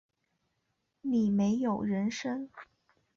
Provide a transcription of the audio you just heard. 你没有人生